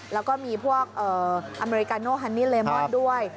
แล้วก็มีพวกอเมริกาโนฮันนี่เลมอนด้วย